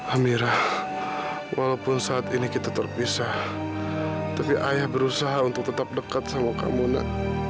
amirah walaupun saat ini kita terpisah tapi ayah berusaha untuk tetap dekat sama kamu nak